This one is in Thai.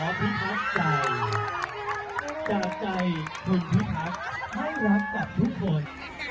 ขอพี่ครับจ่ายจ่ายใจคุณพี่ครับให้รักกับทุกคน